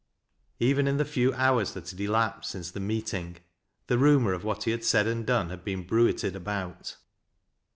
Even in the few hours that had elapsed since the meeting the rumor of what he had said and done had been bruited about.